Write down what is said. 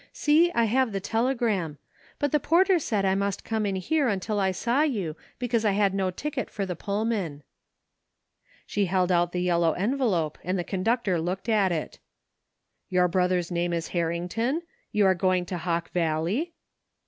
See, I have the telegram. But the porter said I must come in here until I saw you because I had no ticket for the Pullman/' She held out the yellow envelope and the conductor looked at it " Your brother's name is Harrington? You are going to Hawk Valley